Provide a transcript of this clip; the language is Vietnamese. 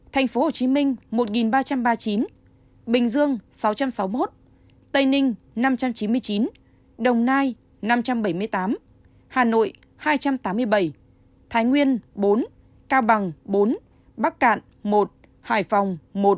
thành phố hồ chí minh một ba trăm ba mươi chín bình dương sáu trăm sáu mươi một tây ninh năm trăm chín mươi chín đồng nai năm trăm bảy mươi tám hà nội hai trăm tám mươi bảy thái nguyên bốn cao bằng bốn bắc cạn một hải phòng một